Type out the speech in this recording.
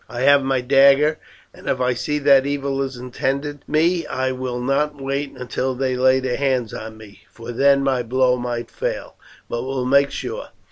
I have my dagger, and if I see that evil is intended me I will not wait until they lay hands on me, for then my blow might fail, but will make sure.